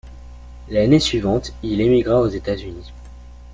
L'année suivante, il émigra aux États-Unis.